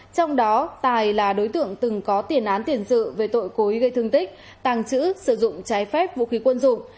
trong đó tài là đối tượng từng có tiền án tiền sự về tội cố ý gây thương tích tàng trữ sử dụng trái phép vũ khí quân dụng